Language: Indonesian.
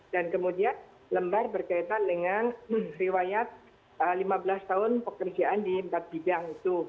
kemudian lembar berkaitan dengan riwayat lima belas tahun pekerjaan di empat bidang itu